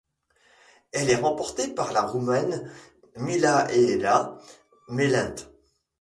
Elle est remportée par la Roumaine Mihaela Melinte.